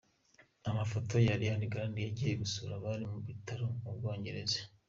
Amafoto ya Ariana Grande yagiye gusura abari mu bitaro mu Bwongereza.